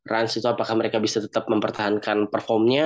ranz itu apakah mereka bisa tetap mempertahankan performanya